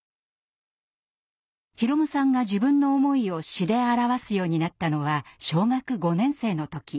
宏夢さんが自分の思いを詩で表すようになったのは小学５年生の時。